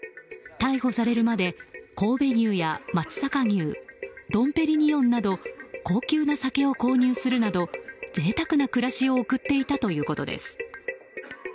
逮捕されるまで神戸牛や松阪牛ドン・ペリニヨンなど高級な酒を購入するなど贅沢な暮らしを送っていたということです。